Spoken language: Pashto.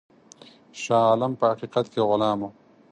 شاه عالم په حقیقت کې غلام وو.